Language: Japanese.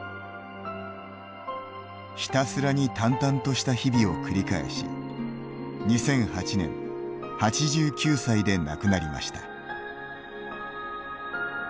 ひたすらに淡々とした日々を繰り返し２００８年８９歳で亡くなりました。